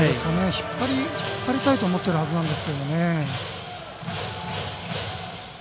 引っ張りたいと思っているはずなんですけどね。